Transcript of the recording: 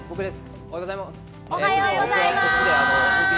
おはようございます。